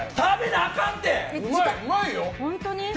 うまいよ。